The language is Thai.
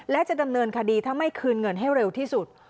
และจะดำเนินคดีถ้าไม่คืนเงินให้เร็วที่สุด